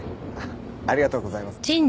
ありがとうございます。